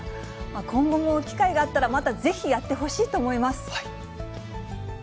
今後も機会があったら、またぜひやってほしいと思います。